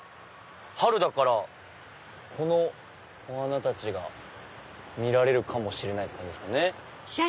春だからこのお花たちが見られるかもしれないって感じですかね。